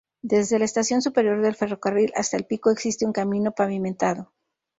Desde la estación superior del ferrocarril hasta el pico existe un camino pavimentado.